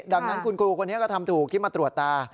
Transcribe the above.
ดังนั้นคุณครูคนนี้ก็ทำถูกที่มาตรวจตา